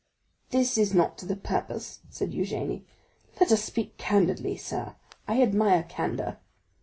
"This is not to the purpose," said Eugénie; "let us speak candidly, sir; I admire candor."